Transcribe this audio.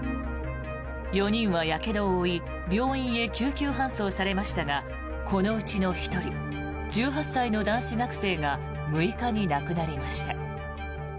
４人はやけどを負い病院へ救急搬送されましたがこのうちの１人１８歳の男子学生が６日に亡くなりました。